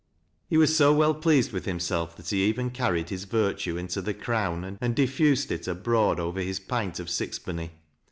He was so well pleased with himself, that he even carried his virtue into The Crown, and diffused it abroad over his pint of sixpenny.